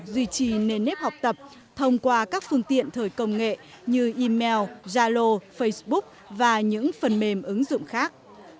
duy trì nền nếp học tập thông qua các phương tiện thời công nghệ như email zalo facebook và những phần mềm ứng dụng khác